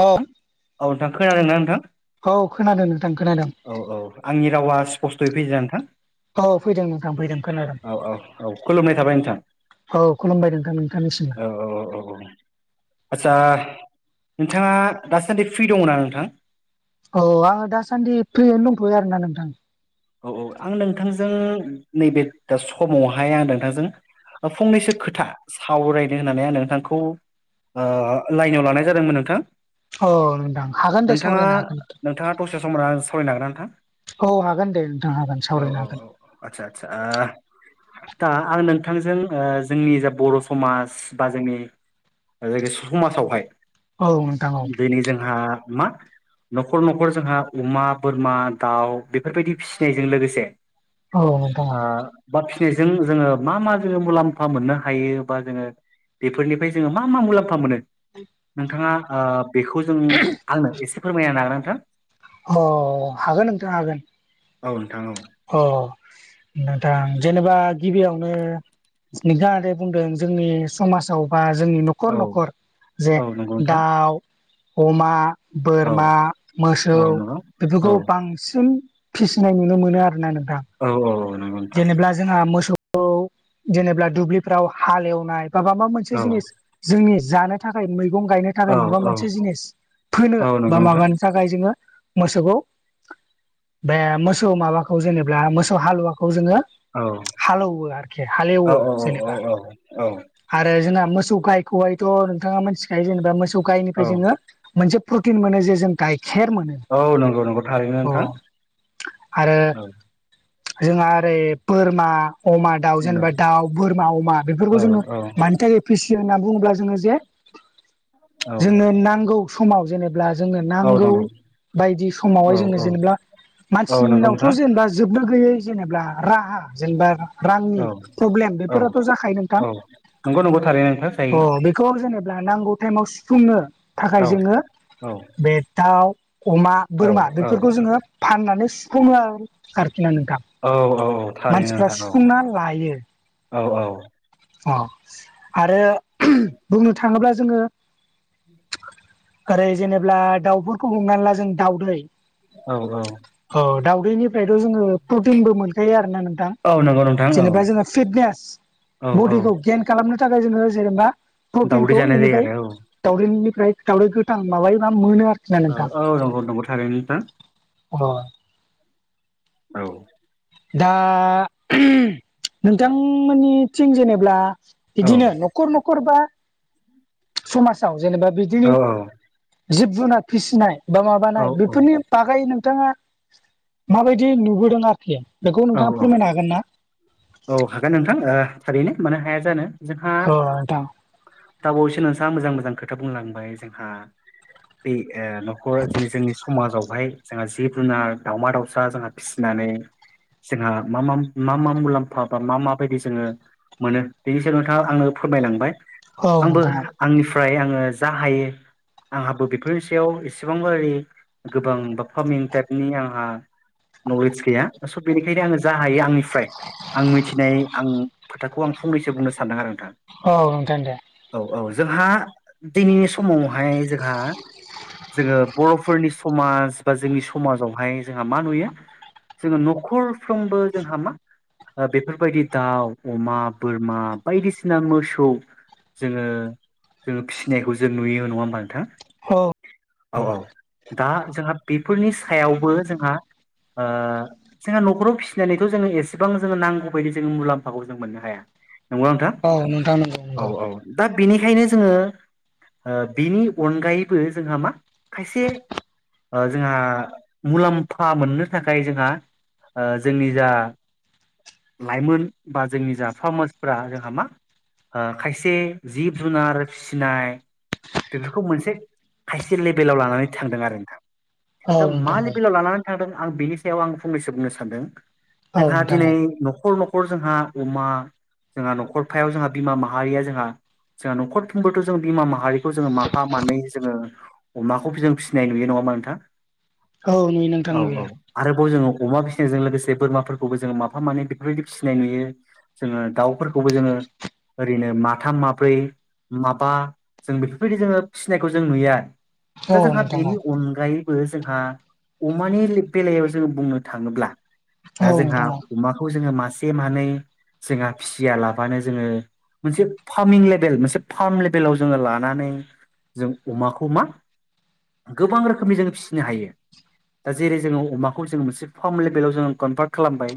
औ औ नोंथां खोनादोंना नोंथां औ खोनादों नोंथां खोनादों। औ औ आंनि रावा स्पस्थ'यै फैयो नोंथां। औ फैदों नोंथां फैदों खोनादों औ औ औ खुलुमनाय थाबाय नोंथां। औ खुलुमबाय नोंथां नोंथांनिसिमबो। औ औ औ। आदसा नोंथाङा दासान्दि फ्रि दङ ना नोंथां? औ आङो दासान्दि फ्रियावनो दंथ'यो आरोना नोंथां। औ औ आं नोंथांजों नैबे दा समावहाय आं नोंथांजों फंनैसो खोथा सावरायनो होननानै आं नोंथांखौ लाइनाव लानाय जादोंमोन नोंथां। औ नोंथां हागोन दे नोंथाङा सावरायनो हागोन। नोंथाङा दसे सम आंजों सावरायनो हागोन ना नोंथां। औ हागोन दे नोंथां हागोन सावरायनो हागोन। आतसा आतसा। दा आं नोंथांजों जोंनि जा बर' समाज बा जोंनि समाजावहाय औ नोंथां औ बेनि जोंहा मा न'खर न'खर जोंहा अमा बोरमा दाउ बेफोरबायदि फिसिनायजों लोगोसे औ नोंथां औ ओ बा फिसिनायजों जोङो मा मा जोङो मुलाम्फा मोननो हायो बा जोङो बेफोरनिफ्राय जोङो मा मा मुलाम्फा मोनो। नोंथाङा बेखौ जों आंनो एसे फोरमायनो नागोन नोंथां। अ हागोन नोंथां हागोन। औ नोंथां औ। अ नोंथां जेनेबा गिबियावनो। नोंथाङा ओरै बुंदों जोंनि समाजाव बा जोंनि न'खर न'खर औ न'खर जे नोंथां दाउ अमा औ बोरमा औ मोसौ औ नंगौ नोंथां औ नंगौ औ बेफोरखौ बांसिन फिसिनाय नुनो मोनो आरो ना नोंथां। औ औ नोंगौ नोंथां। जेनेब्ला जोंहा मोसौखौ जेनेबा दुब्लिफ्राव हालेवनाय बा माबा मोनसे औ जिनिस जोंनि जानो थाखाय मैगं गायनो थाखाय औ माबा औ मोनसे जिनिस फोनो औ बा नंगौ नोंथां माबा मोनसे थाखाय जोङो मोसौखौ बे मोसौ माबाखौ जेनेबा मोसौ हालुवाखौ खौ जोङो औ हालौवो आरोखि हालेवो औ औ औ जेनेबा औ औ आरो जोंना मोसौ गायखौहायथ' नोंथाङा मिथिखायो जेनेबा मोसौ गायनिफ्राय औ जोङो मोनसे प्रटिन मोनो जे जों गाइखेर मोनो। औ नंगौ नंगौ थारैनो अ नोंथां आरो औ। जोंहा ओरै बोरमा अमा दाउ जेनेबा औ दाउ बोरमा अमा औ बेफोरखौ जोङो औ मानि थाखाय पिसियो होनना बुङोब्ला जोङो जे औ जोंनो नांगौ। समाव जेनेब्ला जोंनो औ नांगौ नंगौ बायदि औ समावहाय जोङो औ जेनेब्ला औ नंगौ मानसिनावथ' नोंथां जेनेबा जोबनो गैयै जेनेब्ला राहा जेनेबा औ रांनि प्रब्लेम औ बेफोराथ' जाखायो नोंथां औ नंगौ नंगौ थारैनो नोंथां जायो [unintelligible] बे खौ जेनेब्ला नांगौ टाइमाव सुफुंनो औ थाखाय जोङो औ बे दाउ अमा औ बोरमा बेफोरखौ जोङो फाननानै सुफुङो आरोखि ना नोंथां औ औ। थारैनो मानसिफ्रा नोंथां औ सुफुंना लायो। औ औ अ आरो बुंनो थाङोब्ला जोङो। ओरै जेनेब्ला दाउफोरखौ बुंनानै ला जों दाउदै औ औ। औ दाउदैनिफ्रायथ' जोङो प्रटिनबो मोनखायो आरो ना नोंथां। औ नंगौ नोंथां औ जेनेबा जोङो फिटनेस औ औ बडिखौ गेइन खालामनो थाखाय जोङो जेनेबा दावदै प्रटिनखौ जानाय जायो इनिफ्राय आरो दावदैनिफ्राय दावदै गोथां माबायो बा मोनो आरो। औ औ नंगौ नंगौ थारैनो नोंथां। [unintelligible] औ। दा नोंथांमोननिथिं जेनेब्ला औ बिदिनो न'खर न'खर बा समाजाव जेनेबा औ बिदिनि जिब जुनार फिसिनाय बा औ माबानाय बेफोरनि [unintelligible] नोंथाङा माबायदि नुबोदों आरोखि बेखौ औ नोंथाङा फोरमायनो हागोन ना? औ हागोन नोंथां थारैनो मानो हाया जानो जोंहा दा बावैसो नोंसा मोजां मोजां खोथा बुंलांबाय जोंहा बे न'खरा दिनै जोंनि समाजावहाय जोंहा जिब जुनार दावउमा दाउसा जोंहा फिसिनानै जोंहा मा मा मा मुलाम्फा फा बा मा माबायदि जोङो मोनो बेनि सायाव नोंथाङा आंनो फोरमायलांबाय औ आंबो नोंथां आंनिफ्राय आङो जा हायो आंहाबो बेफोरनि सायाव एसेबां ओरि गोबां बा फार्मिं टाइपनि आंहा नलेज गैया स बेनिखायनो आङो जा हायो आंनिफ्राय आं मिथिनाय आं खोथाखौ आं फंनैसो बुंनो सानदों आरो नोंथां। औ नोंथां दे। औ औ जोंहा दिनैनि समावहाय जोंहा जोङो बर' फोरनि समाज बा जोंनि समाजावहाय जोंहा मा नुयो जोङो न'खरफ्रोमबो जोंहा मा बेफोरबायदि दाउ अमा बोरमा बायदिसिना मोसौ जोङो जोङो फिसिनायखौ जों नुयो नङा होमबा नोंथां? औ औ औ दा जोंहा बेफोरनि सायावबो जोंहा जोंहा न'खराव फिसिनानैथ' जोङो एसे एसेबां जोङो नांगौ बायदि जो मुलाम्फाखौ जों मोननो हाया नंगौ नोंथां। औ नोंथां नंगौ। औ नंगौ औ दा बेनिखायनो जोङो बिनि अनगायैबो जोंहा मा खायसे जोंहा मुलाम्फा मोननो थाखाय जोंहा जोंनि जा लाइमोन बा जोंनि जा फार्मासफ्रा जोंहा मा खायसे जिब जुनार फिसिनाय बेफोरखौ मोनसे खायसे लेभेलाव लानानै थांदों आरो नोंथां। औ दा मा नोंथां औ लेभेलाव लानानै थांदों आं बेनि सायाव आं फंनैसो बुंनो सानदों। औ जोंहा नोंथां दिनै औ न'खर न'खर जोंहा अमा जोंहा न'खरफ्रायाव जोंहा बिमा माहारिया जोंहा जोंहा न'खरुंबोथ' जों बिमा माहारि बेखौ जोो माफा मानै जोंङो अमाखौबो जों फिसिनाय नुयो नङाबा नोंथांङां। औ नुयो नोंथां औ औ नुयो आरोबाव जोंङो अमा फिसिनायजों लोगोसे बोरमा बो जोंङो माफा माने बेफोरबायदि फिसिनाय नुयो जोङो दाउफोरखौबो जोंङो ओरैनो माथाम माब्रै माबा जों बेफोरबायदि जोङो फिसिनायखौ जों नुयो आरो। औ दा जोंहा नोंथां औ बेनि अनगायैबो जोंहा अमानि बेलायाव जोंङो बुंनो थांङोब्ला दा औ जोंहा नोंथां अमाखौ जोंङो मासे मानै जोंहा फिसिया लाबानो जोंङो मोनसे फार्मिं लेभेल मोनसे फार्म लेभेलाव जोंङो लानानै जों अमाखौ मा गोबां रोखोमनि जोंङो फिसिनो हायो। दा जेरै जोंङो अमाखौ जोंङो मोनसे फार्म लेभेलाव जोंङो कनभार्ट खालामबाय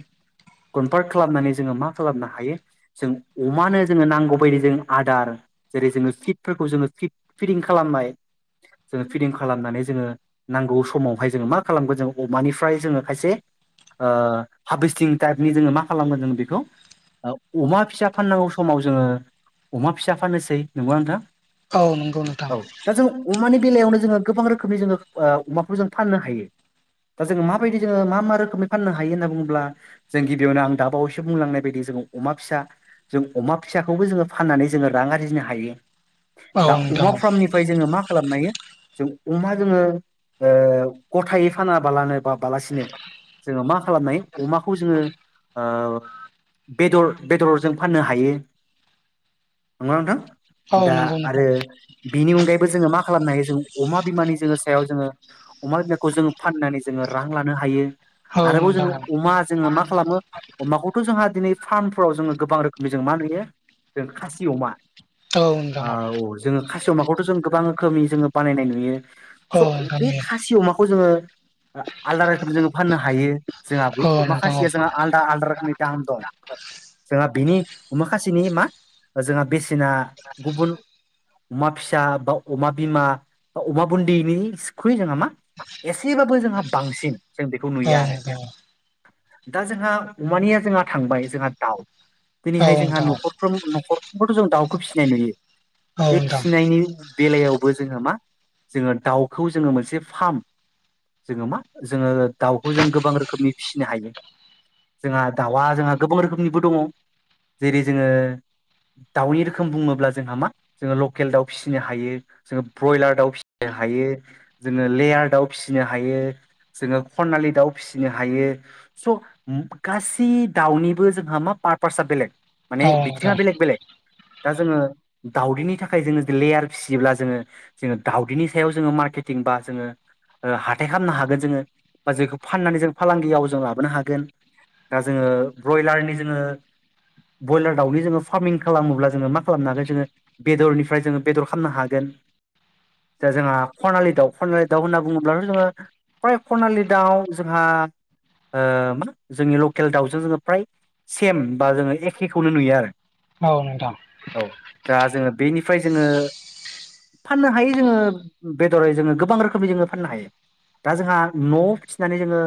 कनभार्ट खालामनानै जोंङो मा खालामनो हायो। जों अमानो जोंङो नांगौ बायदि जों आदार जेरै जोंङो फिटफोरखौ जोङो फि फिदिं खालामनाय जोंङो फिदिं खालामनानै जोंङो नांगौ समावहाय जोंङो मा खालामगोन जोंङो अमानिफ्राय जोंङो खायसे हारभेस्टिं टाइपनि जोंङो मा खालामगोन जोंङो बेखौ अमा फिसा फाननांगौ समाव जोंङो अमा फिसा फाननोसै नंगौ नोंथां। औ नंगौ नोंथां। औ दा जों अमानि बेलायावनो जोंङो गोबां रोखोमनि जोंङो अमाखौ जों फाननो हायो। दाङो माबायदि जो मा माोखोमै फाननोायो होननानै बुंङो अब्ला जों गिबियावनो आं दाबावैसो बुंलांनाय बायदि जों अमा फिसा जों अमा फिसाखौबो जोंङो फाननानै जोंङो रां आरजिनो हायो औ दा नोंथां अमा फार्मनिफ्राय ओमफ्राय जोंङो मा खालामनो हायो। जों अमा जोंङो गथायै फानाबालानो बा बालासिनो जोंङो मा खालामनो हायो। अमाखौ जोंङो ओ बेदर बेदरजों फाननो हायो। नंङा औ नोंथां दा नंगौ आरो नोंथां बिनि अनगायैबो जोंङो मा खालामनो हायो जों अमा बिमानि जोंङो सायाव जोंङो अमा बिमाखौ जोंङो फाननानै जोंङो रां लानो हायो। औ आरोबाव नोंथां जोङो औ। अमा जोंङो मा खालामो अमाखौथ' जोंहा दिनै फार्मफोराव जोंङो गोबां रोखोमनि जों मा नुयो। जों खासि अमा औ औ जोंङो खासि'माखौथ' जों गोबां रोखोमनि जोंङो बानायनाय नुयो। स' बे नुयो खासि अमाखौ जोंङो आलदा रोखोम जोंङो फाननो हायो। जोंहा बे औ अमा नोंथां औ खाासेया जोंहा आलदा आलदा रोखोमनि दाम दं। जोंहा बिनि अमा खासिना मा जोंहा बेसेना गुबुन अमा फिसा बा अमा बिमा बा अमा बुन्दैनि निसिख्रै जोंहा मा एसेबाबो जोंहा बांसिन जों बेखौ नुयो आरो। दा जोंहा अमानिया जोंहा थांबाय जोंहा दाउ दिनैहाय औ नोंथां औ जोंहा नोंथां औ नोंथां न'खरफ्र न'खरफ्रथ' जों दाउखौ फिसिनाय नुयो औ बे नोंथां औ नोंथां फिसिनायनि बेलायावबो जोंङो मा जोंङो दाउखौ जोंङो मोनसे फार्म जोंङो मा जोंङो दाउखौ जों गोबां रोखोमनि फिसिनो हायो। जोंहा दाउआ जोंहा गोबां रोखोमनिबो दंङो जेरै जोंङो दाउनि रोखोम बुंङोब्ला जोंहा मा जोंङो लकेल दाउ फिसिनो हायो जोंङो ब्रयलार दाउ फिसिनो हायो। जोंङो लेयार दाउ फिसिनो हायो जोंङो खनालि दाउ फिसि फिनो हायो स' गासै दाउनिबो जोंहा मा पारपारसाआ बेलेग औ माने नोंथां बिथिंङाव औ बेलेग बेलेग दा जोंङो दाावदैनि थाखाय जोंङो लेयार फिसियोब्ला जोंङो जोंङो दाउदैनि सायाव जोंङो मार्केटिं बा जोंङो हाथाय खालामनो हागोन जोंङो बा जायखौ फाननानै जों फालांगियाव जों लाबोनो हागोन दा जोङो ब्रयलारनि जोङो बयलार दाउनि जोङो फार्मिं खालामोब्ला जोङो मा खालामनो हागोन जोङो बेदरनिफ्राय जोङो बेदर खामनो हागोन। दा जोंहा खनालि दाउ खनालि दाउ होनना बुङोब्लाथ' जोङो प्राय खनालि दाउ जोंहा ओ मा जोंनि लकेल दाउजों जोङो फ्राय सेम बा जोङो एखेखौनो नुयो आरो औ नोंथां। औ दा जोङो बेनिफाय जोङो फाननो हायो जोङो बेदरै जोङो गोबां रोखोमनि जोङो फाननो हायो। दा जोंहा न'आव फिसिनानै जोङो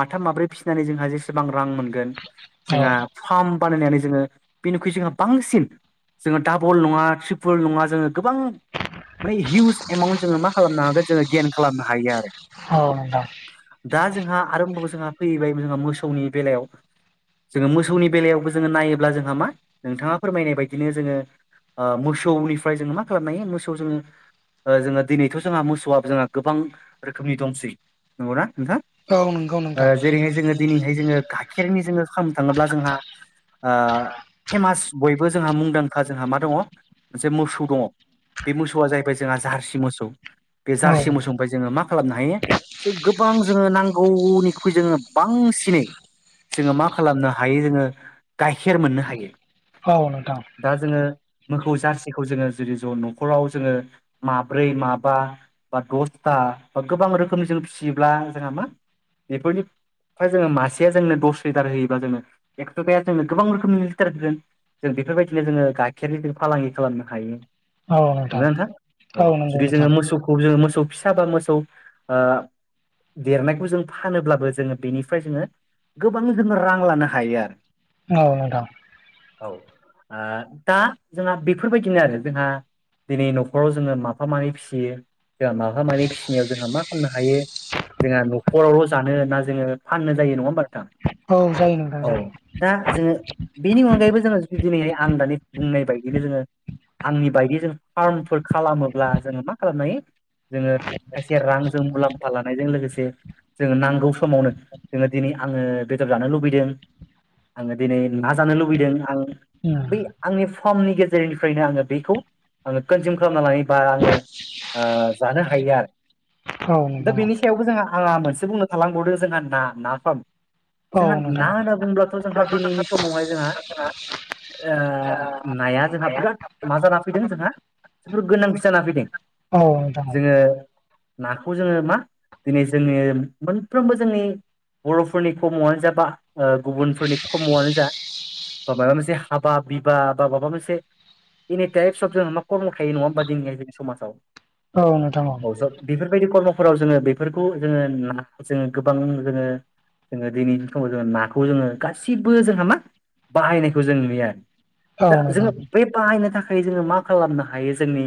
माथाम माब्रै फिसिनानै जोंहा जेसेबां रां मोनगोन। जोंहा नोंथां फार्म बानायनानै जोङो बेनिखुइ जोंहा बांसिन जोङो डाबल नङा ट्रिपोल नङा जोङो गोबां माने हिउज एमाउन्ट जोङो मा खालामनो हागोन जोङो गेइन खालामनो हायो आरो। दा जोंहा आरोबाव जोंहा फैबाय जोंहा मोसौनि बेलायाव जोङो मोसौनि बेलायावबो जोङो नायोब्ला जोंहा मा नोंथाङा फोरमायनाय बायदिनो जोङो ओ मोसौनिफ्राय जोङो मा खालामनो हायो मोसौ जोङो ओ जोङो दिनैथ' जोंहा मोसौआ जोंहा गोबां रोखोमनि दंसै नंगौना नोंथां? औ नंगौ। ओ जेरैहाय जोङो दिनैहाय जोङो गाइखेरनि जोङो खामनो थाङोब्ला जोंहा ओ फेमास बयबो जोंहा मुंदांखा जोंहा मा दङ' मोनसे मोसौ दङ। बे मोसौआ जाहैबाय जोंहा जारसि मोसौ बे औ जारसि मोसौनिफाय जोङो मा खालामनो हायो गोबां जोङो नांगौ। निख्रुइ जोङो बांसिनै जोङो मा खालामनो हायो जोङो गाइखेर मोननो हायो। औ नोंथां। दा जोङो मोखौ जारसिखौ जोङो जुदि ज' न'खराव जोङो माब्रै, माबा बा दसथा बा गोबां रोखोमनि जों फिसियोब्ला जोंहा मा बेफोरनि फाय जोङो मासेया जोंनो दस लिटार होयोबा जोङो एकस'ताया जोंनो गोबां रोखोमनि लिटार होगोन। जों बेफोरबायदिनो जोङो गाइखेरनि फालांगि खालामनो हायो। नंगोना नोंथां औ, नंगौ जुदि नोंथां जोङो मोसौखौ जोङो मोसौ फिसा बा मोसौ ओ देरनायखौ जों फानोब्लाबो जोङो बेनिफ्राय जोङो गोबां जों रां लानो हायो आरो। औ नोंथां। औ ओ दा जोंहा बेफोरबायदिनो आरो जोंहा दिनै न'खराव जोङो माफा मानै फिसियो जा माफा मानै फिसिनायाव जोंहा मा खामनो हायो। जोंहा न'खरावल' जानो ना जोङो फाननो जायो नङा होमबा नोंथां? औ जायो नोंथां औ जायो। दा जोङो बेनि अनगायैबो जोङो दिनैहाय आं दानि बुंनाय बायदिनो जोङो आंनि बायदि जों फार्मफोर खालामोब्ला जोङो मा खालामनो हायो। जोङो खायसे रांजों मुलाम्फा लानायजों लोगोसे जोङो नांगौ समावनो जोङो दिनै आङो बेदर जानो लुबैदों। आङो दिनै ना जानो लुबैदों आं। उम बै आंनि फार्मनि गेजेरनिफ्रायनो आङो बैखौ आङो कन्जिम खालामना लायोबा आङो ओ जानो हायो आरो। औ दा नोंथां बेनि सायावबो जोंहा आंहा मोनसे बुंनो थालांबावदो जोंहा ना ना फार्म औ जोंहा ना नोंथां होनना बुंब्लाथ' जोंहा दिनैनि समावहाय जोंहा ओ नाया जोंहा बिराद मा जाना फैदों जोंहा बेफोर गोनांथि जाना फैदों औ नोंथां जोङो नाखौ जोङो मा दिनै जोंनि मोनफ्रोमबो जोंनि बर'फोरनि खर्मआनो जा बा गुबुनफोरनि खर्मआनो जा ब माबा मोनसे हाबा बिबा बा माबा मोनसे एनि टाइपस अफ जों मा कर्मल थायो नङा होमबा जोंनि जनि समाजाव। औ नोंथां औ। औ सार बेफोरबायदि कर्मफोराव जोङो बेफोरखौ जोङो जोङो गोबां जोङो जोङो दिनिनि दिनाव जोङो नाखौ जोङो गासिबो जोंहा मा बाहायनायखौ जों नुयो औ दा नोंथां जोङो बे बाहायनो थाखाय जोङो मा खालामनो हायो जोंनि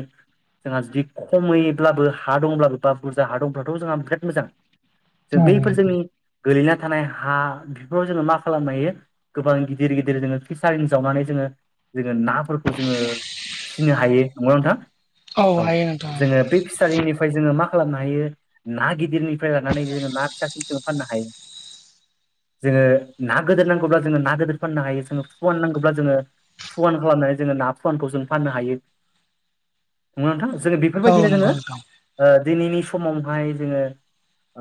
जोंहा जुदि खमैब्लाबो हा दंब्लाबो बा बुरजा हा दंब्लाथ' जोंहा बिराद मोजां जों बैफोर जोंनि गोलैना थानाय हा बेफोराव जोङो मा खालामनो हायो। गोबां गिदिर गिदिर जोङो फिसारिनि जावनानै जोङो जोङो नाफोरखौ जोङो फिसिनो हायो नंगौना नोंथां औ हायो नोंथां जोङो बे फि खारिनिफाय जोङो मा खालामनो हायो ना गिदिरनिफ्राय लानानै जोङो ना फिसासिम जों फाननो हायो। [inaudible] जोङो ना गिदिर नांगौब्ला जोङो ना गिदिर फाननो हायो जोङो फुवान नांगौब्ला जोङो फुवान खालामनानै जोङो ना फुवानखौ जों फाननो हायो। नङा नोंथां जोङो औ बेफोरबायदिनो जोङो नंगौ नोंथां दिनैनि समावहाय जोङो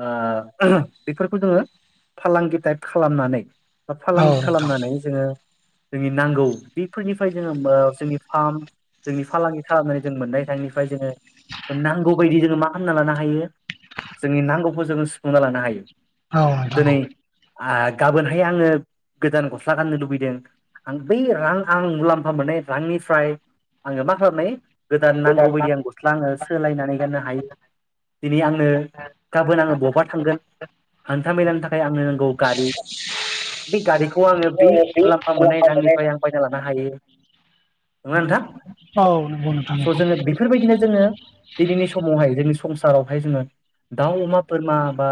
ओ बेफोरखौ जोङो फालांगि टाइप खालामनानै बा औ फालांगि नोंथां खालामनानै जोङो जोंनि नांगौ बेफोरनिफ्राय जोङो जोंनि फार्म जोंनि फालांगि खालामनानै जों मोननाय थाइनिफ्राय जोङो नांगौ बायदि जोङो मा खालामना लानो हायो जोंनि नांगौखौ जोङो सुफुंना लानो हायो। औ नोंथां दिनै गाबोनहाय आङो गोदान गस्ला गाननो लुबैदों। आं बै रां आं मुलाम्फा मोननाय रांनिफ्राय आङो मा खालामनो हायो। गोदान नांगौ बायदि आं गस्ला आङो सोलायनानै गाननो हायो। दिनै आंनो गाबोन आङो बबा थांगोन हान्था मेलानि थाखाय आंनो नांगौ गारि बे गारिखौ आङो बै मुलाम्फा मोननाय रांनिफ्राय आं बायना लानो हायो। नङा नोंथां औ औ नंगौ नोंथां नंगौ स' जोङो बेफोरबायदिनो जोङो दिनैनि समावहाय जोंनि संसारावहाय जोङो दाउ, अमा, बोरमा, बा